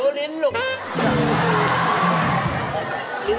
คุณยายเคี้ยอะไรในปากเขานี่